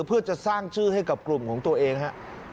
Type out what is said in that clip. เพื่อจะสร้างชื่อให้กับกลุ่มของตัวเองฮะ